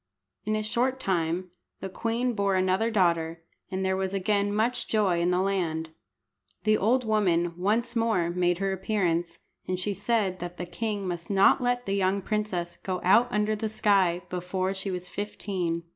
In a short time the queen bore another daughter, and there was again much joy in the land. The old woman once more made her appearance, and she said that the king must not let the young princess go out under the sky before she was fifteen.